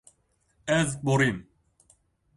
Ez borîm.